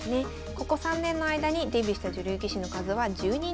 ここ３年の間にデビューした女流棋士の数は１２人。